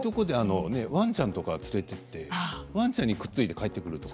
ワンちゃんとか連れて行ってワンちゃんについて帰ってくることは。